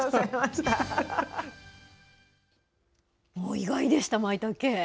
意外でした、まいたけ。